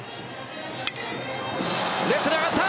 レフトに上がった！